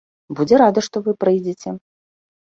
Будзе рада, што вы прыйдзеце.